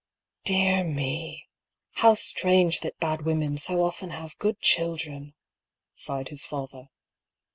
" Dear me ! How strange that bad women so often have good children I "sighed his father.